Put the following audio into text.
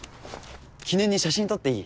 記念に写真撮っていい？